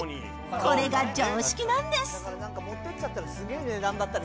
これが常識なんです。